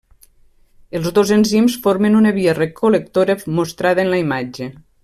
Els dos enzims formen una via recol·lectora mostrada en la imatge.